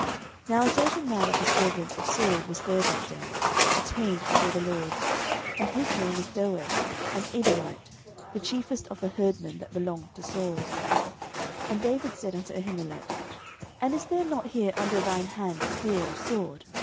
09:021:007 Now a certain man of the servants of Saul was there that day, detained before the LORD; and his name was Doeg, an Edomite, the chiefest of the herdmen that belonged to Saul. 09:021:008 And David said unto Ahimelech, And is there not here under thine hand spear or sword?